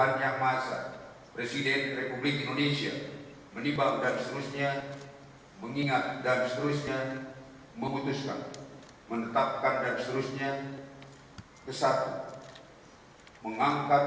lalu kebangsaan indonesia baik